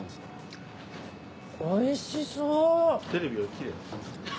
おいしそう！